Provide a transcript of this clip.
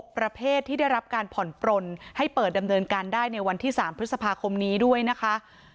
ประเภทที่ได้รับการผ่อนปลนให้เปิดดำเนินการได้ในวันที่๓พฤษภาคมนี้ด้วยนะคะ